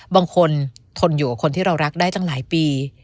บางคนทนอยู่กับคนที่เรารักได้ตั้งหลายปี